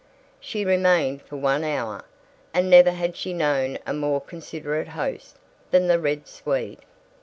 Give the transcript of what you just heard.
She remained for one hour, and never had she known a more considerate host than the Red Swede.